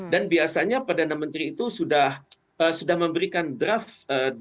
dan biasanya perdana menteri itu sudah memberikan draft dialog